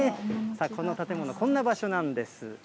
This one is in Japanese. この建物、こんな場所なんです。